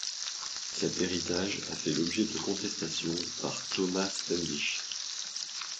Cet héritage a fait l'objet de constestations par Thomas Standish.